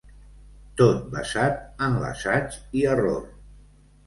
Tot basat en l’assaig i error.